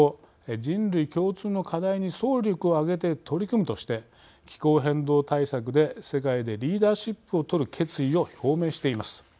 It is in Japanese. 人類共通の課題に総力を挙げて取り組むとして気候変動対策で世界でリーダーシップをとる決意を表明しています。